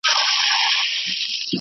غدار دواړو ته او دوی غدار ته غله وه ..